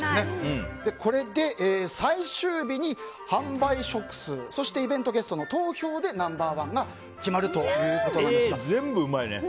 これで最終日に販売食数そしてイベントゲストの投票でナンバー１が全部うまいね。